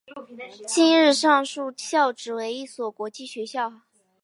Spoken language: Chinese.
今日上述校扯为一所国际学校。